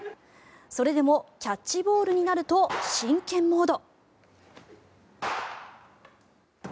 それでもキャッチボールになると真剣モード。